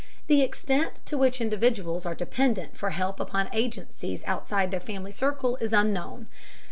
The extent to which individuals are dependent for help upon agencies outside their family circle is unknown.